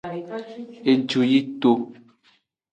Edu yito.